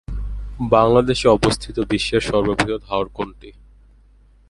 বাংলাদেশে অবস্থিত বিশ্বের সর্ববৃহৎ হাওর কোনটি?